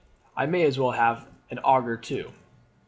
I may as well have an auger too.